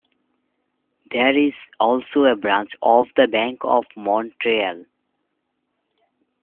There is also a branch of the Bank of Montreal.